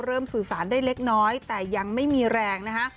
สื่อสารได้เล็กน้อยแต่ยังไม่มีแรงนะคะ